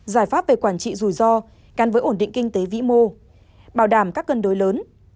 giải pháp về quản trị rủi ro gắn với ổn định kinh tế vĩ mô bảo đảm các cân đối lớn